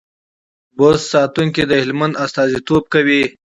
بست ساتونکي د هلمند استازیتوب کوي.